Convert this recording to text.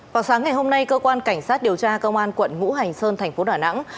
vào sáng ngày hôm nay cơ quan cảnh sát điều tra công an quận ngũ hành sơn thành phố đà nẵng